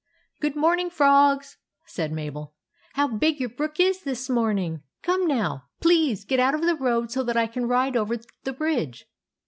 " Good morning, frogs," said Mabel. u How big your brook is this morning ! Come now, please get out of the road so that I can ride over the bridge."